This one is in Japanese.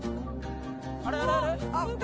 あれあれあれ？